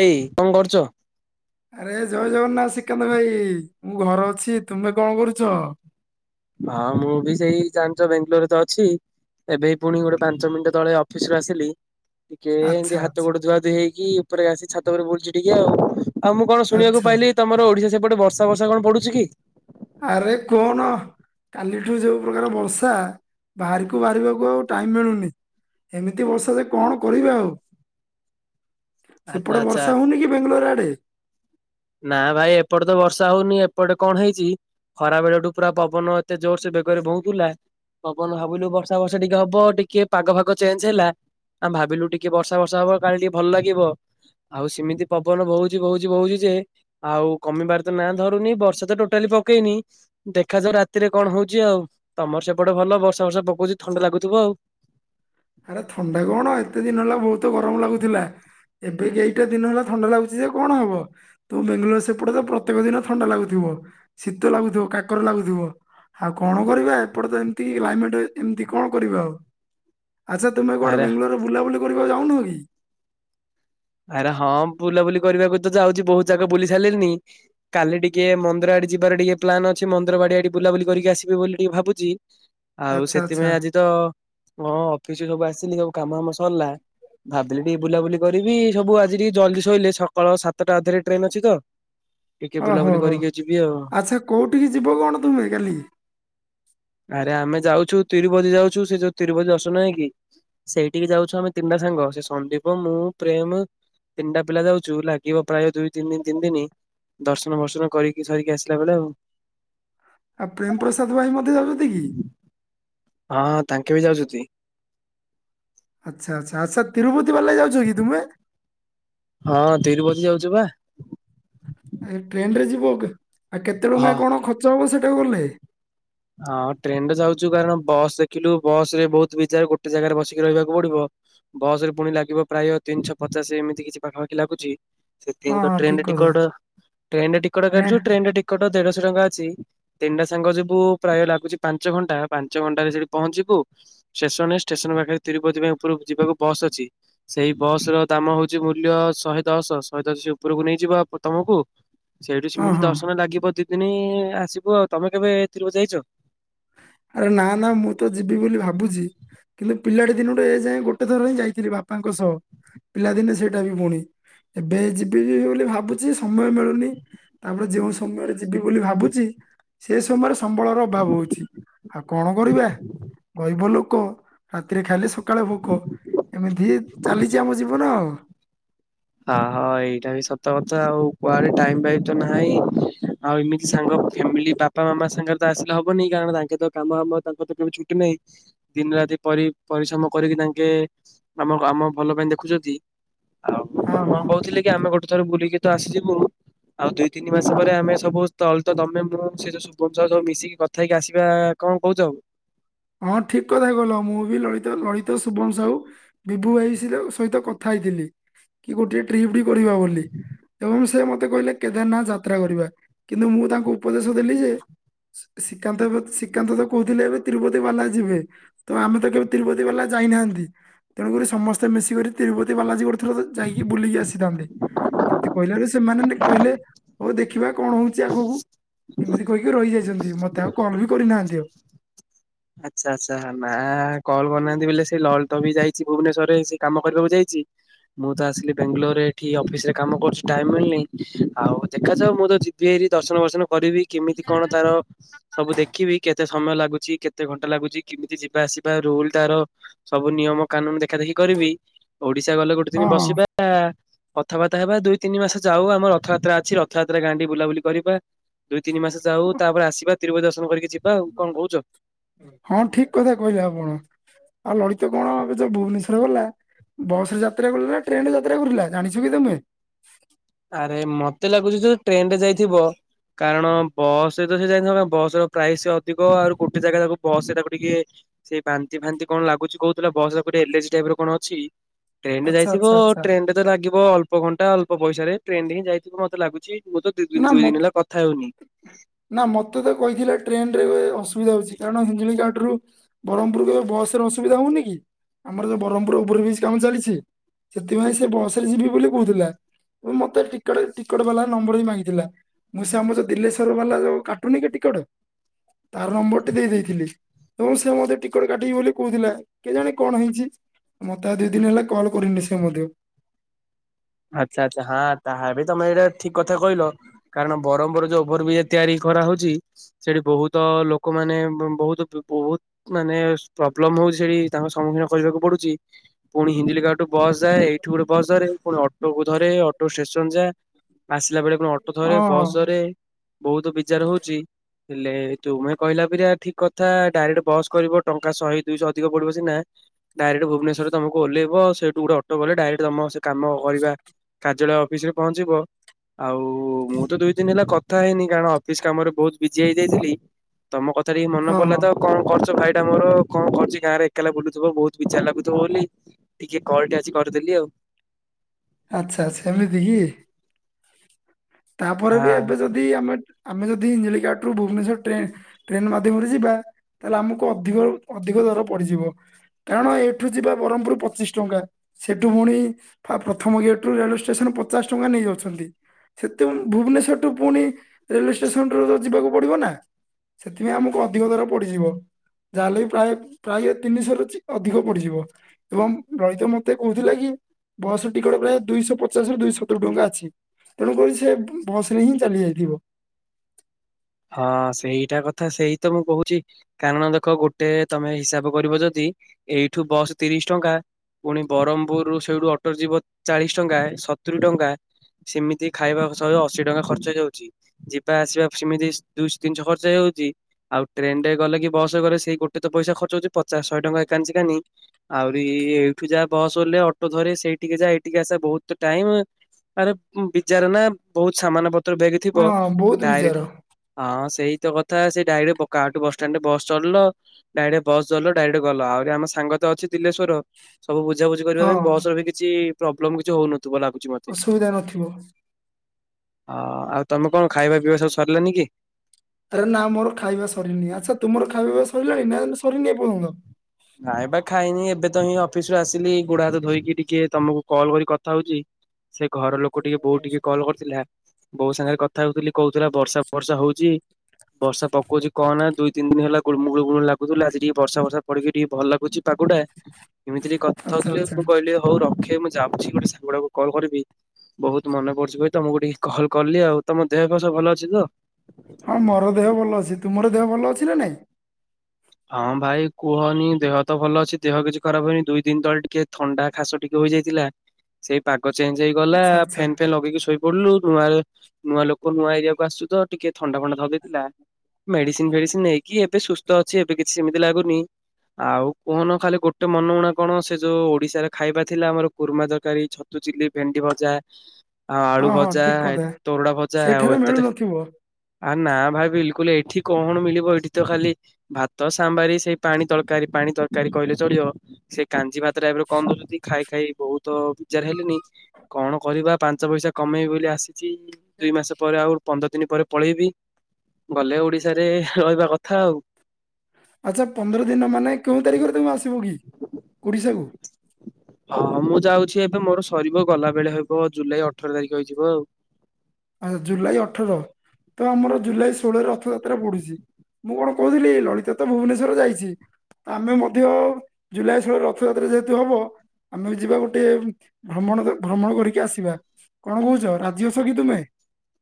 ଏଇ କଣ କରୁଚ? ଆରେ ଜୟ ଜଗନ୍ନାଥ ଶ୍ରୀକାନ୍ତ ଭାଇ ମୁଁ ଘର ଅଛି ତୁମେ କଣ କରୁଛ? ହଁ ମୁଁ ବି ସେଇ ଜାଣିଛ ବେଙ୍ଗାଲୋରରେ ତ ଅଛି। ଏବେ ପୁଣି ଗୋଟେ ପାଞ୍ଚ ମିନିଟ ତଳେ ଅଫିସୁ ଆସିଲି। ଟିକେ ଆଚ୍ଛା ଏମିତି ହାତ ଆଚ୍ଛା ଗୋଡେ ଧୁଆ ଧୁ ଇହେଇକି ଉପରେ ଆସି ଛାତ ଉପରେ ବୁଲୁଛି ଟିକେ ଆଉ। ଆଉ ମୁଁ କଣ ଶୁଣିବାକୁ ଆଚ୍ଛା ପାଇଲି ତମର ଓଡିଶା ସେପଟେ ବର୍ଷା ବର୍ଷା କଣ ପଡୁଛି କି? ଆରେ କଣ କାଲିଠୁ ଯୋଉ ପ୍ରକାର ବର୍ଷା ବାହାରକୁ ବାହାରିବାକୁ ଆଉ ଟାଇମ ମିଳୁନି। ଏମିତି ବର୍ଷା ଯେ କଣ କରିବି ଆଉ। ଆଛା ସେପଟେ ଆଛା ବର୍ଷା ହଉନି କି ବେଙ୍ଗଲୋର ଆଡେ ନା ଭାଇ ଏପଟେ ତ ବର୍ଷ ଷା ହଉନି ଏପଟେ କଣ ହେଇଛି ଖରା ବେଳଠୁ ପୁରା ପବନ ଏତେ ଜୋର ସେ ବେଗରେ ବହୁଥିଲା। ପବନ ଭାବିଲୁ ବର୍ଷା ବର୍ଷା ଟିକେ ହବ ଟିକେ ପାଗ ଫାଗ ଚେଞ୍ଜ ହେ ଆମେ ଭାବିଲୁ ଟିକେ ବର୍ଷା ବର୍ଷା ହବ କାଳେ ଟିକେ ଭଲ ଲାଗିବ। ଆଉ ସେମିତି ପବନ ବହୁଚି ବହୁଚି ବହୁଚି ଯେ ଆଉ କମିବାର ତ ନାଁ ଧରୁନି ବର୍ଷା ତ ଟୋଟାଲି ପ ପକେଇନି ଦେଖାଯାଉ ରାତିରେ କଣ ହୋଉଚି ଆଉ, ତମର ସେପଟେ ଭଲ ବର୍ଷା ବର୍ଷା ପକଉଚି ଥଣ୍ଡା ଲାଗୁଥିବ ଆଉ। ଆରେ ଥଣ୍ଡା କଣ ଏତେ ଦିନ ହେଲା ବୋହୁତ ଗରମ ଲାଗୁଥିଲା। ଏବେ କି ଏଇଟା ଦିନ ହେଲା ଥଣ୍ଡା ଲାଗୁଚି ଯେ କଣ ହବ ତୁ ବାଙ୍ଗଲୋର ସେପଟେ ତ ପ୍ରତ୍ୟେକ ଦିନ ଥଣ୍ଡା ଲାଗୁଥିବ। ଶୀତ ଲାଗୁଥିବ କାକର ଲାଗୁଥିବ। ଆଉ କଣ କରିବା ଏପଟେ ତ ଏମିତି କ୍ଲାଇମେଟ ଏମିତି କଣ କରିବା ଆଉ? ଆଚ୍ଛା ତୁମେ କୁଆଡେ ଆରେ ବାଙ୍ଗଲୋରରେ ବୁଲାବୁଲି କରିବାକୁ ଯାଉନ କି? ଆରେ ହଁ ବୁଲାବୁଲି କରିବାକୁ ତ ଯାଉଛି ବୋହୁତ ଯକ ବୁଲି ସାରିଲଣିି କାଲି ଟିକେ ମନ୍ଦିର ଆ ଡି ଯିବାର ଟିକେ ପ୍ଲନ୍ ଅଛି ମନ୍ଦରବାଡି ଆଡି ବୁଲାୁଲି କରିକି ଆସେ ବୋଲି ଟିକେ ଭାବୁଚି। ଆଉ ଆଚ୍ଛା ଆଚ୍ଛା ସେଥିପାଇଁ ଆଜି ତ ହଁ ଅଫିସ ସବୁ ଆସି ସବୁ କାମ କାମ ସରିଲା ଭାବିଲି ଟିକେ ବୁଲାବୁଲି କରିବି ସବୁ ଆଜି ଜଲଦି ଶୋଇଲେ ସକାଳ ସାତଟା ଅଧୀରେ ଟ୍ରେନ ଅଛି ତ। ଟିକେ ଓ ହୋ ବୁଲାବୁଲି ହୋ କରିକି ଯିବି ଆଉ। ଆଚ୍ଛା କୋଉଠିକି ଯିବ କଣ ତୁମେ କାଲି? ଆରେ ଆମେ ଯାଉଚୁ ତିରୁପତି ଯାଉଚୁ, ସେ ଯୋଉ ତିରୁପତି ଦର୍ଶନ ନାହିଁ କି? ସେଇଠିକି ଯାଉଛୁ ଆମେ ତିନିଟା ସାଙ୍ଗ ସେ ସନ୍ଦୀପ ମୁଁ ପ୍ରେମ ତିନିଟା ପିଲା ଯାଉଚୁ, ଲାଗିବ ପ୍ରାୟ ଦୁଇ ତିନି ଦିନ ତିନି ଦିନ। ଦର୍ଶନ ବର୍ଶନ କରିକି ସରିକି ଆସିଲା ବେଳେ ଆଉ। ଆଉ ପ୍ରେମ ପ୍ରସାଦ ଭାଇ ମଧ୍ୟ ଯାଉଛନ୍ତି କି? ହଁଁ ତାଙ୍କେ ବି ଯାଉଚନ୍ତି। ଆଚ୍ଛା ଆଚ୍ଛା ଆଚ୍ଛା ତିରୁପତି ବାଲା ଯାଉଚ କି ତୁମେ? ଯାଉଚୁ ବା। ଏ ଟ୍ରେନ ରେ ଯିବ ଆଉ କେତେ ଟଙ୍କା ହଁ। କଣ ଖର୍ଚ୍ଚ ହବ ସେଟା ଗଲେ? ହଁ ଟ୍ରେନ୍ ଯାଉଚୁ କାରଣ ବସ୍ ଦେଖିଲୁ ବସ ରେ ବୋହୁତ ବିଚାର ଗୋଟେ ଜାଗାରେ ବସିକି ରହିବାକୁ ପଡିବ, ବସ ରେ ପୁଣି ଲାଗି ପ୍ରାୟ ତିନିଶହ ପଚାସ୍ ଏମିତି କିଛି ପାଖାଖି [unintelligible] ହଁ ସେଥିପାଇଁ ତ ହଁ ଠିକ ଟ୍ରେନରେ କଥା ଟିକଟ ଟ୍ରେନରେ ଟିକଟ କାଟଚୁ ଟ୍ରେନ ରେ ଟିକଟ ଦେଢଶହ ଟଙ୍କା ଅଛି ତିନିଟା ସାଙ୍ଗ ଯିବୁ ପ୍ରାୟ ଲାଗୁଚି ପାଞ୍ଚ ଘଣ୍ଟା ପାଞ୍ଚ ଘଣ୍ଟାରେ ସେଠି ପହଞ୍ଚିିବୁ ଷ୍ଟେସନରେ ଷ୍ଟେସନ ପାଖରେ ତିରୁପତି ପାଇଁ ଉପ ଯିବାକୁ ବସ୍ ଅଛି ସେଇ ବସ ର ଦାମ ହୋଉଚି ମୂଲ୍ୟ ଶହେ ଦଶ ଶହେ ଦଶ ଉପରକୁ ନେଇଯିବ। ତମକୁ ସେଇଠୁ ହଁ ସେମିତି ହଁ ଦର୍ଶନ ଲାଗିବ ଦି ଦିନି ଆସିବୁ ଆଉ ତମେ କେବେ ଏଥିରୁକୁ ଯାଇଚ? ଆରେ ନା ନା ମୁଁ ତ ଯିବି ବୋଲି ଭାବୁ କିନ୍ତୁ ପିଲାଟି ଦିନେ ଏ ଯାଏ ଗୋଟେ ଥର ହିଁ ଯାଇଥିଲି ବାପାଙ୍କ ସହ, ପିଲାଦିନେ ସେଇଟା ବି ପୁଣି। ଏବେ ଯିବି ଯିବି ବୋଲି ଭାବୁଚି ସମୟ ମିଳୁନି। ତାପରେ ଯୋଉଁ ସମୟରେ ଯିବି ବୋଲି ଭାବୁଚି ସେ ସମୟରେ ସମ୍ବଳର ଅଭାବ ହୋଉଚି ଆଉ କଣ କରିବା ଗରିବ ଲୋକ ରାତିରେ ଖାଇଲେ ସ ସକାଳେ ଭୋକ ଏମିତି ଚାଲିଚି ଆମ ଜୀବନ ଆଉ। ହଁ ହଁ ଏଇଟା ବି ସତ କଥା ଆଉ କୁଆଡେ ଟାଇମ ପାଇଁ ତ ନାହିଁ ଆଉ ଏମିତି ସାଙ୍ଗ ଫ୍ୟାମିଲି ବାପା ମାମା ସାଙ୍ଗରେ ତ ଆସିଲେ ହବନି କାରଣ ତାଙ୍କେ ତ କାମ ହାମ ତାଙ୍କ ତ କେବେ ଛୁଟି ନାହିଁ, ଦିନ ରା ପରି ପରିଶ୍ରମ କରିକି ତାଙ୍କେ ଆମ ଆମ ଭଲ ପାଇଁ ଦେଖୁଛନ୍ତି ଆ ହଁ ହଁ କଣ କହୁଥିଲେ କି ଆମେ ଗୋଟେ ଥର ବୁଲିକି ତୁ ଆସିଯିବୁ। ଆଉ ଦୁଇ ତିନି ମାସ ପରେ ଆମେ ସବୁ ତଳ ତ ଦମେ ମୁଁ ସେ ଯୋଉ ସୁ ସବୁ ମିଶିକି କଥା ହେଇକି ଆସି କଣ କୋହୁଚ ଆଉ? ହଁ ଠିକ କଥା ଗଲ ମୁଁ ବି ଲଳିତ ଲଳିତ ଶୁଭମ ସାହୁ ବିଭୁଇ [unintelligible] ସହିତ କଥା ଥିଲ କି ଗୋଟେ ଟ୍ରିପ ବି [unintelligible] ବୋଲି। ଏବଂ ସେ ମତେ କହିଲେ କେଦାରନାଥ ଯାତ୍ରା କରିବା, କିନ୍ତୁ ମୁଁ ତାଙ୍କୁ ଉପଦେଶ ଦେଲି ଯେ ଶ୍ରୀକାନ୍ତ ଶ୍ରୀକାନ୍ତ କହୁଥିଲେ ଏବେ ତିରୁପତି ସେଇ ବାଲା ଯିବେ ତ ଆମେ ତ କେବେ ତିରୁପତି ବାଲା ଯାଇନାହାନ୍ତି। ତେଣୁକରି ସମସ୍ତେ ମିଶିକରି ତିରୁପତି ବାଲାଜୀ ଗୋଟେ ଥର ଥରେ ଯାଇକି ବୁଲିକି ଆସିଥାନ୍ତେ। ଏମିତି କହିଲାରୁ ସେମାନେ ଯେ କହିଲେ ହଉ ଦେଖିବା କଣ ହଉଚି ଆଗକୁ। ଏମିତି କହିକି ରହିଯାଇଛନ୍ତି। ମୋତେ ଆଉ କଲ୍ ବି କରିନାହାନ୍ତି ଆଉ। ଆଚ୍ଛା ଆଚ୍ଛା ନା କଲ୍ କରିନାହାନ୍ତି ବୋଇଲେ ସେ ଲଲଟପି ଯାଇଚି। ଭୁବନେଶ୍ୱରରେ ସେ କାମ କରିବାକୁ ଯାଇଚି। ମୁଁ ତ ଆସିଲି ବେଙ୍ଗାଲୋରରେ ଏଠି ଅଫିସ୍ ରେ କାମ କରୁଛି ଟାଇମ୍ ମିଳନି। ଆଉ ଦେଖାଯାଉ ମୁଁ ତ ଯିବି ଏ ଦର୍ଶନ ବର୍ଶନ କରିବି କେମିତି କଣ ତାର ସବୁ ଦେଖିବି କେତେ ସମୟ ଲାଗୁଚି। କେତ ତେ ଘଣ୍ଟା ଲାଗୁଚି କେମିତି ଯିବା ଆସିବା ରୁଲ୍ ତାର ସବୁ ନିୟମ କାନୁନ ଦେଖା ଦେଖି କରିବି। ଓଡିଶା ଗଲେ ଗୋଟେ ଦିନ ହଁ ହଁ ବସିବା। କଥାବାର୍ତ୍ତା ହେବା ଦୁଇ ତିନି ମାସ ଯାଉ ଆମ ରଥଯାତ୍ରା ଅଛି। ରଥଯାତ୍ରା ଗାଁରେ ଟିକେ ବୁଲାବୁଲି କରିବା। ଦୁଇ ତିନି ମାସ ଯାଉ ତାପରେ ଆସିବା ତିରୁପତି ଦର୍ଶନ କରିକି ଯିବା ଆଉ କଣ କହୁଚ? ହଁ ଠିକ କଥା କହିଲେ ଆପଣ ଆଉ ଲଳିତ କଣ ଏବେ ଯୋଉ ଭୁବନେଶ୍ଵର ଗଲା। ବସ୍ ରେ ଯାତ୍ରା କଲା ନା ଟ୍ରେନ୍ ରେ ଯାତ୍ରା କରିଲା ଜାଣିଛ କି ତୋମେ? ଆରେ ମୋତେ ଲାଗୁଛି ଯୋଉ ଟ୍ରେନ୍ ରେ ଯାଇଥିବ। କାରଣ ବସ୍ ରେ ତ ସେ ଯାଇଥାନ୍ତା। ବସ୍ ର ପ୍ରାଇସ୍ ଅଧିକ ଆଉରି ଗୋଟେ ଜାଗା ତାକୁ ବସ୍ ରେ ତାକୁ ଟିକେ ସେ ବାନ୍ତି ଫାନ୍ତି କଣ ଲାଗୁଛି କହୁଥିଲା ବସ୍ ରେ ଗୋଟେ ଏଲାର୍ଜି ଟାଇପ୍ ର କଣ ଅଛି। ଟ୍ରେନ୍ ରେ ଆଚ୍ଛା ଯାଇଥିବ ଆଚ୍ଛା ଆଚ୍ଛା ଟ୍ରେନ୍ ରେ ତ ଲାଗିବ ଅଳ୍ପ ଘଣ୍ଟା ଅଳ୍ପ ପଇସାରେ ଟ୍ରେନ୍ ରେ ହିଁ ଯାଇଥିବ ମୋତେ ଲାଗୁଛି। ମୁଁ ତ ଦି ଦିନ ନା ଦୁଇ ଦିନ ମୋତ ହେଲା କଥା ହେଉନି। ନା ମୋତେ ତ କହିଥିଲା ଟ୍ରେନ୍ ରେ ଅସୁବିଧା ହଉଛି। କାରଣ ହିଞ୍ଜୁଳି କାଟରୁ ବରହମପୁର ଏବେ ବସ୍ ରେ ଅସୁବିଧା ହଉନି କି? ଆମର ଯୋଉ ବରହମପୁର ଉଭର ବ୍ରିଜ୍ କାମ ଚାଲିଛି। ସେଥିପାଇଁ ସେ ବସ୍ ରେ ଯିବି ବୋଲି କହୁଥିଲା। ଓ ମୋତେ ଟିକେଟ୍ ଟିକଟ୍ ବାଲା ନମ୍ବର୍ ବି ମାଗି ଥିଲା। ମୁଁ ସେ ଆମର ଦିଲେଶ୍ଵର ବାଲା ଯୋଉ କାଟୁନି କି ଟିକେଟ୍। ତାର ନମ୍ବର୍ ଟି ଦେଇ ଦେଇଥିଲି। ଏବଂ ସେ ମୋତେ ଟିକେଟ୍ କାଟିବି ବୋଲି କହୁଥିଲା କେ ଜାଣି କଣ ହେଇଛି। ମୋତେ ଆ, ଦି ଦିନ ହେଲା କଲ୍ କରିନି ସେ ମଧ୍ୟ। ଆଚ୍ଛା ଆଚ୍ଛା ହଁ ତାହାବି ତୋମେ ଏଇଟା ଠିକ୍ କଥା କହିଲ। କାରଣ ବରମପୁର ଯୋଉ ଓଭରବ୍ରିଜ୍ ତିଆରି କରାହଉଚି ସେଠି ବହୁତ ଲୋକ ମାନେ ବ- ବହୁତ ପ-ପହୁତ ମାନେ ସ-ପ୍ରୋବ୍ଲମ ହଉଚି ସେଠି ତାଙ୍କ ସମ୍ମୁଖୀନ କରିବାକୁ ପଡୁଚି। ପୁଣି ହିନ୍ଦିଲିକା ଠୁ ବସ୍ ଯାଏ। ଏଇଠୁ ଗୋଟେ ବସ୍ ଧରେ ପୁଣି ପୁଅକୁ ଧରେ ଅଟୋ ଷ୍ଟେସନ ଯା। ଆସିଲା ବେଳେ କଣ ଅଟୋ ଧରେ ହଁ ବସ୍ ଧରେ ବହୁତ ବିଜାର ହଉଚି। ହେଲେ ତୁମେ କହିଲ ପୁରା ଠିକ କଥା ଡାଇରେକ୍ଟ ବସ୍ କରିବ ଟଙ୍କା ଶହେ ଦୁଇଶହ ଅଧିକ ପଡ଼ିବ ସିନା ଡାଇରେକ୍ଟ ଭୁବନେଶ୍ୱରରେ ତୋମକୁ ଓହ୍ଲେଇବ। ସେଇଠୁ ଗୋଟେ ଅଟୋ କଲେ ଡାଇରେକ୍ଟ ତୋମ ସେ କାମ କରିବା କାର୍ଯ୍ୟାଳୟ ଅଫିସ୍ ରେ ପହଞ୍ଚିବ। ଆଉ ମୁଁ ତ ଦୁଇ ଦିନ ହେଲା କଥା ହେଇନି କାରଣ ଅଫିସ୍ କାମରେ ବହୁତ ବିଜି ହେଇଯାଇଥିଲି। ତୋମ କଥା ଟିକେ ମନେ ହଁ ପଡ଼ିଲା ହଁ ତ ଆଉ କଣ କରୁଚ ଭାଇ? ଟା ମୋର କଣ କରୁଚି ଗାଁରେ ଏକେଲା ବୁଲୁଥୁବ ବହୁତ ବିଜାର ଲାଗୁଥୁବ ବୋଲି ଟିକେ କଲ୍ ଟା ଆଜି କରିଦେଲି ଆଉ। ଆଚ୍ଛା ସେମିତି କି? ତାପରେ ବି ହଁ। ଏବେ ଯଦି ଆମେ ଆମେ ଯଦି ହିଞ୍ଜିଲିକାଟରୁ ଭୁବନେଶ୍ୱର ଟ୍ରେ ଟ୍ରେନ୍ ମାଧ୍ୟମରେ ଯିବା ତାହେଲେ ଆମକୁ ଅଧିକ ଅଧିକ ଅଧିକ ଦର ପଡ଼ିଯିବ କାରଣ ଏଠୁ ଯିବା ବରହମପୁର ପଚିଶ ଟଙ୍କା। ସେଠୁ ପୁଣି ଫା ପ୍ର ଥମ ଗେଟ୍ ରୁ ରେଳୱେ ଷ୍ଟେସନ୍ ପଚାଶ ଟଙ୍କା ନେଇଯାଉଛନ୍ତି। ସେତେ ଉଁ, ଭୁବନେଶ୍ୱରଠୁ ପୁଣି ରେଲୱେ ଷ୍ଟେସନ୍ ରୁ ତ ଯିବାକୁ ପଡ଼ିବ ନା। ସେଥିପାଇଁ ଆମକୁ ଅଧିକ ଦର ପଡ଼ିଯିବ। ଯାହା ହେଲେ ବିି ପ୍ରାୟ ପ୍ରାୟ ତିନିଶହ ରୁ ଛି-ଅଧିକ ପଡ଼ିଯିବ। ଏବଂ ରୋହିତ ମୋତେ କହୁଥିଲା କି ବସ୍ ଟିକଟ୍ ପ୍ରାୟ ଦୁଇଶହ ପଚାଶରୁ ଦୁଇ ସତୁରି ଟଙ୍କା ଅଛି। ତେଣୁକରି ସେ ବସ୍ ରେ ହିଁ ଚାଲି ଯାଇଥିବ। ହଁ ସେଇଟା କଥା ସେଇ ତ ମୁଁ କହୁଚି କାରଣ ଦେଖ ଗୋଟେ ତୋମେ ହିସାବ କରିବ ଯଦି ଇ, ଏଇଠୁ ବସ୍ ତିରିଶ ଟଙ୍କା। ପୁଣି ବରମପୁରୁୁ ସେଇଠୁ ଅଟୋରେ ଯିବ ଚାଳିଶ ଟଙ୍କା ସତୁରି ଟଙ୍କା। ସେମିତି ଖାଇବା ସହେ ଅଶୀ ଟଙ୍କା ଖର୍ଚ୍ଚ ହେଇଯାଉଛି ଯିବା ଆସିବା ସେମିତି ଦୁଇଶହ ତିନିଶହ ଖର୍ଚ୍ଚ ହେଇଯାଉଚି ଆଉ ଟ୍ରେନ ଟାଏ ଗଲେ କି ବସରେ ଗଲେ ସେଇ ଗୋଟେ ତ ପଇସା ଖର୍ଚ୍ଚ ହଉଚି ପଚାଶ ଶହେ ଟଙ୍କା। ଏକାଞ୍ଚିକାନି ଆହୁରି ଏଇଠୁ ଯା ବସ ହେଲେ ଅଟୋ ଧରେ ସେଇଠିକି ଯା ଏଠିକି ଆଶା ବହୁତ ଟାଇମ ଉଁ ଆରେ ବିଚାର ନା ବହୁତ ସମାନ ପତ୍ର ବ୍ୟାଗ ହଁ ଥିବ ବହୁତ ବିଜାର ଡାଏରେକ୍ଟ ହଁ ସେଇ ତ କଥା ସେ ଡାଇରେକ୍ଟ ପକା କାଆଠୁ ବସଷ୍ଟାଣ୍ଡ୍ ରେ ବସ ଚଢ଼ିଲ ଡାଇରେକ୍ଟ ବସ ଧରିଲ ଡାଇରେକ୍ଟ ଗଲ ଆଉ ରେ ଆମ ସାଙ୍ଗ ତ ଅଛି ଦିଲେଶ୍ୱର ସବୁ ବୁଝାବୁଝି କରିବା ହଁ ପାଇଁ ବସ ର ବି କିଛି ପ୍ରୋବ୍ଲେମ କିଛି ହଉନ ଅସୁବିଧା ନଥିବ। ହ ଆଉ ତମେ କଣ ଖାଇବା ପିଇବା ସବୁ ସରିଲାନି କି? ଆରେ ନା ମୋର ଖାଇବା ସରିନି ଆଚ୍ଛା ତୁମର ଖାଇବା ପିଇବା ସଇଲାଣି ନା ସରିନି ଏ ପର୍ଯ୍ୟନ୍ତ? ନାଇଁ ବା ଖାଇନି ଏବେ ତ ହିଁ ଅଫିସ ରୁ ଆସିଲି ଗୋଡ଼ ହାତ ଧୋଇକି ଟିକେ ତମକୁ କଲ୍ କରି କି କଥା ହଉଚି। ସେ ଘର ଲୋକ ଟିକେ ବୋଉ ଟିକେ କଲ୍ କରିଥିଲା ବୋଉ ସାଙ୍ଗରେ କଥା ହଉଥିଲି କହୁଥିଲା ବର୍ଷା ଫର୍ଷା ହଉଚି। ବର୍ଷା ପକଉଚି କନା ଦୁଇ ତିନି ଦିନ ହେଲା ଗୁଳୁ ମୁଳୁ ଗୁଳୁ ଲାଗୁଥୁଲା ଆଜି ଟିକେ ବର୍ଷା ଫର୍ଷା ପଡ଼ିକି ଟିକେ ଭଲ ଲାଗୁଚି ପାଗୁଟା ଏମିତିରେ କଥା ଆଚ୍ଛା ହଉଥିଲେ ଆଚ୍ଛା ମୁଁ କଇଲି ହଉ ର। ରଖେ ମୁଁ ଯାଉଛି ଗୋଟେ ସାଙ୍ଗ ଗୁଡ଼ାକୁ କଲ୍ କରିବି। ବହୁତ ମନେ ପଡୁଛି ବେ ତମୁକୁ ଟିକେ କଲ୍ କଲି ଆଉ। ତମ ଦେହପାହା ସବୁ ଭଲ ଅଛି ତ? ହଁ ମୋର ଦେହ ଭଲ ଅଛି। ତୁମର ଦେହ ଭଲ ଅଛି ନା ନାଇଁ? ହଁ ଭାଇ କୁହନି ଦେହ ତ ଭଲ ଅଛି ଦେହ କିଛି ଖରାପ ହଇନି ଦୁଇ ଦିନ ତଳେ ଟିକେ ଥଣ୍ଡା ଖାସ ଟିକେ ହୋଇଯାଇଥିଲା ସେଇ ପାଗ ଚେଞ୍ଚ ହେଇଗଲା ଆଚ୍ଛା ଆଚ୍ଛା ଫେନ୍ ଫେନ୍ ଲଗେଇକି ଶୋଇ ପଡିଲୁ ନୂଆରେ ନୂଆ ଲୋକ ନୂଆ ଏରିଆକୁ ଆସୁ ତ ଟିକେ ଥଣ୍ଡା ଫଣ୍ଡା ଧରି ଦେଇେଥିଲା ମେଡିସିନ ଫେଡିସିନ ନେଇକି କି ଏବେ ସୁସ୍ଥ ଅଛି ଏବେ କିଛି ସେମିତି ଲାଗୁନି। ଆଉ କୋହୁନ ଖାଲି ଗୋଟେ ମନଉଣା କଣ ସେ ଯୋଉ ଓଡିଶାରେ ଖାଇବା ଥିଲା ଆମର କୁର୍ମା ତରକାରୀ, ଛତୁ ଚିଲି ଭେଣ୍ଡି ଭଜା। ହଁ ଆଳୁ ଭଜା, ତୋରଡ଼ା ଭଜା ଆଉ ସେଠାରେ ଏତେତ ମିଳୁନଥିବ ଆ ନା ଭାଇ ବିଲକୁଲ ଏଇ ଏଠି କଣ ମିଳିବ ଏଇଠି ତ ଖାଲି ଭାତ ସାମ୍ଭାରି ସେଇ ପାଣି ତରକାରୀ ପାଣି ତରକାରୀ କହିଲେ ଚଳିବ ସେଇ କାଞ୍ଜି ଭାତ ଟାଇପ ର କଣ ଦଉଚ ଯି ଖାଇ ଖାଇ ବହୁତ ବିଚାର ହେଲିଣିି କଣ କରିବା ପାଞ୍ଚ ପଇସା କମେଇବି ବୋଲି ଆସି ଚି ଦୁଇ ମାସ ପରେ ଆଉ ପନ୍ଦର ଦିନି ପରେ ପଳେଇବି ଗଲେ ଓଡିଶାରେ ରହିବା କଥା ଆଉ। ଆଚ୍ଛା ପନ୍ଦର ଦିନ ମାନେ କେଉଁ ତାରିଖରେ ତମେ ଆସିବ କି ଓଡିଶା କୁ? ହଁ ହଁ ମୁଁ ଯାଉଛି ଏବେ ମୋର ସରିବ ଗଲା ବେଳେ ହେବ ଜୁଲାଇ ଅଠର ତାରିଖ ହେଇଯିବ ଆଉ। ଆଚ୍ଛା ଜୁଲାଇ ଅଠର ତ ଆମର ଜୁଲାଇ ଷୋଳରେ ରଥଯାତ୍ରା ପଡୁଛି। ମୁଁ କଣ କହୁଥିଲି ଲଳିତ ତ ଭୁବୁନେଶ୍ଵର ଯାଇଛି। ଆମେ ମଧ୍ୟ ଜୁଲାଇ ଷୋଳ ରେ ରଥଯାତ୍ରା ଯେହେତୁ ହବ। ଆମେ ଯିବା ଗୋଟେ ଭ୍ରମଣ ଭ୍ରମଣ କରିକି ଆସିବା କଣ କହୁଛ ରାଜି ଅଛ କି ତୁମେ?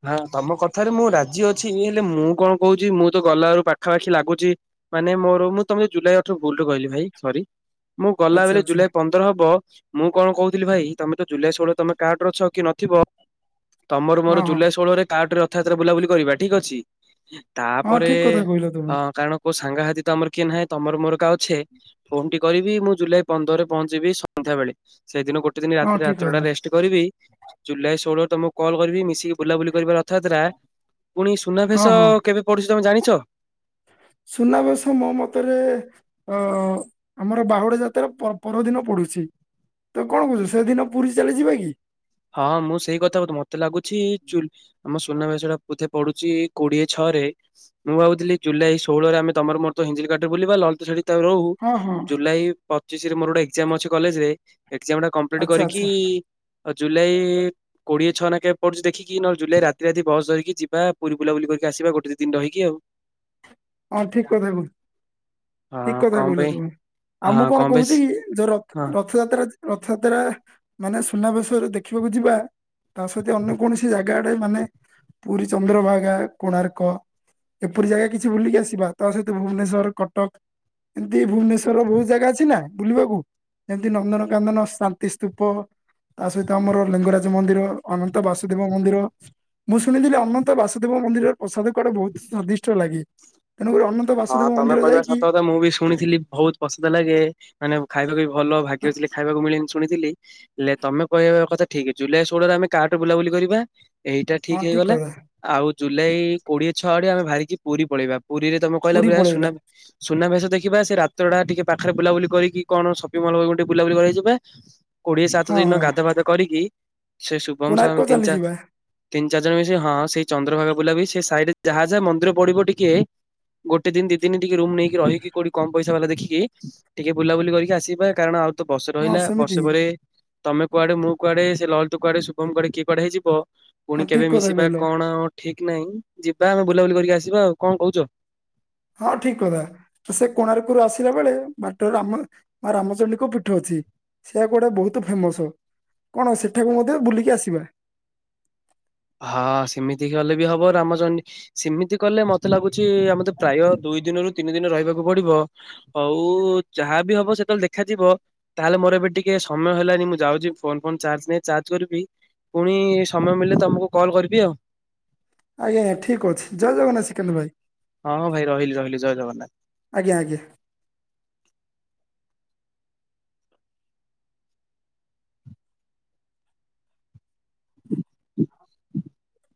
ହଁ ତମ କଥାରେ ମୁଁ ରାଜି ଅଛି ହେଲେ ମୁଁ କଣ କହୁଚି ମୁଁ ତ ଗଲାରୁ ପାଖାପାଖି ଲାଗୁଚି। ମାନେ ମୋର ମୁଁ ତମ ଜୁଲାଇ ଅଠର ଭୁଲୁ କହିଲି ଭାଇ ସରି। ମୁଁ ଗଲା ଆଚ୍ଛା ବେଳେ ଆଚ୍ଛା ଜୁଲାଇ ପନ୍ଦର ହବ ମୁଁ କଣ କହୁଥିଲି ଭାଇ ତମେ ତ ଜୁଲାଇ ଷୋଳ ତମେ କାର୍ଡରେ ଅଛ କି ନଥିବ ତମର ମୋର ହଁ ହଁ ଜୁଲାଇ ଷୋହଳରେ କାର୍ଟ ରେ ରଥଯାତ୍ରା ବୁଲାବୁଲି କରିବା ଠିକ ଅଛି। ହଁ ତାପରେ ଠିକ କଥା କହିଲ ଅ ତୁମେ କାରଣ କୋଉ ସାଙ୍ଗାହାତୀ ତ ଆମର କିଏ ନାହିଁ। ତମର ମୋର ଏକା ଅଛେ ଫୋନ ଟି କରିବି ମୁଁ ଜୁଲାଇ ପନ୍ଦରରେ ପହଞ୍ଚିବି ସନ୍ଧ୍ୟା ବେଳେ ସେଇଦିନ ଗୋ ଗୋଟେ ଦିନି ହଁ ରାତିରା ଠିକ ଥୋଡା କଥା ରେଷ୍ଟ କରିବି ଜୁଲାଇ ଷୋହଳରୁ ତମକୁ କଲ୍ କରିବି ମିଶିକି ବୁଲାବୁଲି କରିବାର ରଥଯାତ୍ରା ପୁଣି ହଁ ସୁନାଭେଶ ହଁ। କେବେ ପଡୁଛି ତମେ ଜାଣିଛ? ସୁନାବେଶ ମୋ ମତରେ ଅ ଆମର ବାହୁଡା ଯାତ୍ରା ପ-ପରଦିନ ପଡୁ ଛି ତ କଣ କହୁଛୁ ସେଦିନ ପୁରୀ ଚାଲି ଯିବା କି? ହଁ ମୁଁ ସେଇ କଥା କହୁଥିଲି। ମତେ ଲାଗୁଛି ଚୁଲ୍ ଆମ ସୁନାବେଶ ଟା ବୋଧେ ପଡ଼ୁଛି କୋଡ଼ିଏ ଛଅରେ ମୁଁ ଭାବୁଥିଲି ଜୁଲାଇ ଷୋହଳରେ ଆମେ ତମର ମୋର ତ ହିଞ୍ଜିଲି କାଠରେ ବୁଲିବା ଲଲେତ ସେଠି ତ ରହୁ ହଁ ହଁ ଜୁଲାଇ ପଚିଶରେ ମୋର ଗୋଟେ ଏଗଜାମ୍ ଅଛି କଲେଜ ରେ ଏଗଜାମ୍ ଟା କମ୍ପଲିଟ୍ ଆଚ୍ଛା କରିକି ଆଚ୍ଛା କି ଓ ଜୁଲାଇ କୋ କୋଏ ଛଅ ଟଙ୍କ କେେ ପଡୁ ଦେିକି ନହ ଜୁଲ ରାତି ବ ଧିକି ଯିବା, ପୁରୀ ବୁଲାୁ କରିକି ଆସ ଗୋଟେ ଦିନ ରହିି ଆଉ। [inaudible] ହଁ ଠିକ କଥା [unintelligible] ଠିକ ହଁ କଥା କଣ କହିଲ ପାଇଁ ତୁମେ, ଆଉ ମୁଁ ହଁ କଣ ପାଇଁ କହୁଛି କି ଯୋଉ ରଥ ହଁ। ରଥଯାତ୍ରା ରଥଯାତ୍ରା ମାନେ ସୁନାବେଶରେ ଦେଖିବାକୁ ଯିବା ତା ସହିତ ଅନ୍ୟ କୌଣସି ଜାଗାଡେ ମାନେ ପୁରୀ, ଚନ୍ଦ୍ରଭାଗା, କୋଣାର୍କ ଏପରି ଜାଗା କିଛି ବୁଲିକି ଆସିବା ତା ସହିତ ଭୁବନେଶ୍ୱର, କଟକ ଏମିତି ଭୁବନେଶ୍ୱରର ବହୁତ ଜାଗା ଅଛି ନା ବୁଲିବାକୁ- ଯେମତି ନନ୍ଦନକାନନ ଶାନ୍ତି ସ୍ତୂପ ତା ସହିତ ଆମର ଲିଙ୍ଗରାଜ ମନ୍ଦିର ଅନନ୍ତ ବାସୁଦେବ ମନ୍ଦିର ମୁଁ ଶୁଣିଥିଲି ଅନନ୍ତ ବାସୁଦେବ ମନ୍ଦିରର ପ୍ରସାଦ କୁଡା ବହୁତ ସ୍ଵାଦିଷ୍ଟ ଲାଗେ? ତେଣୁକରି ଅନନ୍ତ ହଁ ବାସୁଦେବ ତମେ ମନ୍ଦିର କହିବା ଯାଇକି ସତ କତ ମୁଁ ବି ଶୁଣିଥିଲି, ବହୁତ ପସନ୍ଦ ଲାଗେ ମାନେ ଖାଇବାକୁ ଭଲ ଭାଗ୍ୟ ଖାଇବାକୁ ମିଳେ ଶୁଣିଥିଲି ହେଲେ ତମେ କହିବା, କଥା ଠିକ ଜୁଲାଇ ଷୋଳରେ ଆମେ କାହାଠୁ ବୁଲାବୁଲି କରିବା ଏଇଟା ଠିକ ହଁ ହେଇଗଲା କଥା ଆଉ ଜୁଲାଇ କୋଡିଏ ଛଅ, ଆଡେ ଆମେ ବାହାରିକି ପୁରୀ ପଳେଇବା ପୁରୀରେ ତମେ କହିଲା ପୁରୀ ବ ସୁ ପଳେଇବା। ସୁନାବେଶ ଦେଖିବା ସେ ରାତ୍ରଟା ଟିକେ ପାଖରେ ବୁଲାବୁଲି, କରିକି କଣ ସପିଙ୍ଗ ମଲ୍ ଟେ ବୁଲାବୁଲି କରିଇଯିବା। କୋଡିଏ ସାତ ହଁ ଦିନ ହଁ ଗାଧବାଧ କରିକି ସେ ଶୁଭମ ଶାମ କୋଣାର୍କ ତିନି ଚ ଚାଲିଯିବା ତିନି ଜଣ ହଁ ସେଇ ଚନ୍ଦ୍ରଭାଗା ବୁଲା ବି, ସେଇଡରେ ଯାହା ଯାହା ମନ୍ଦିର ପଡିବ ଟିକେ ଗୋଟେ ଦିନ୍ ଦିଦିନ୍ ଟିକେ ରୁମ୍ ନେଇକି, ରହିି କୋଠି କମ୍ ପଇସା ବାଲା ଦେଇ ଦେଖିକି ଟିକେ ବୁଲାବୁଲି କରିକି ଆସିବା କାରଣ ଆଉ ତ ବର୍ଷେ ହଁ ରହିଲା ସେମିତି ବର୍ଷ ହିଁ ପରେ ତମେ କୁଆଡେ ମୁଁ କୁଆଡେ ସେ ଲଲ ତୁଆଡେ ସୁଭମ କିଏଡେଇିବ ହେଇଯିବ ହଁ ପୁଣି ଠିକ କେବେ କଥା ମିଶିବା କହିଲ କଣ ଠିକ ନାହିଁ ଯିବା ଆମେ ବୁଲାବୁଲି କରିକି ଆସିବା, ଆଉ କଣ କହୁଛ? ପାଖରୁ ଆସିଲା ବେଳେ ବାଟି ରାମ ମା ରାମଚଣ୍ଡୀଙ୍କ ପୀଠ ଅଛି। ସେଇୟା କୁଟେ ବହୁତ ଫେମସ କଣ ସେଠାକୁ ମଧ୍ୟ ବୁଲିକି ଆସିବା। [inaudible] ହଁ ସେମିତି ହେଲେ ବି ହବ ଆମ ଜ ସେମିତି କଲେ ମତେ ଲାଗୁଛି ଆମେ ତ ପ୍ରାୟ ଦୁଇ ଦିନରୁ ତିନି ଦିନ ରହିବାକୁ ପଡିବ ହଉ ଯାହାବି ହବ ସେତେବେଳେ ଦେଖାଯିବ, ତାହେଲେ ମୋର ଏବେ ଟିକେ ସମୟ ହେଲାନି ମୁଁ ଯାଉଛି ଫୋନ ଫୋନ୍ ଚାର୍ଜ ନାଇ ଚାର୍ଜ କରିବି ପୁଣି ସମୟ ମିଳିଲେ ତମକୁ କଲ କରିବି ଆଉ। ଆଜ୍ଞା ଆଜ୍ଞା ଠିକ୍ ଅଛି, ଜୟ ଜଗନ୍ନାଥ ଶ୍ରୀକାନ୍ତ ଭାଇ। ହଁ ହଁ ଭାଇ ରହିଲି ରହିଲି ଜୟ ଆଜ୍ଞା ଆଜ୍ଞା ଜଗନ୍ନାଥ। [inaudible]